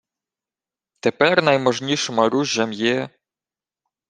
— Тепер найможнішим оружжям є...